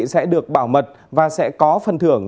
sẽ được bảo mật và sẽ có phần thưởng